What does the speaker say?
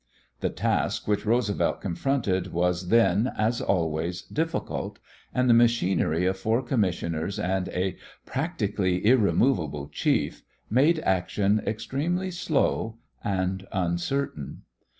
The task which Roosevelt confronted was then, as always, difficult, and the machinery of four commissioners and a practically irremovable chief made action extremely slow and uncertain.